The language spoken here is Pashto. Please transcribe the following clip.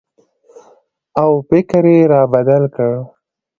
او فکر یې را بدل کړ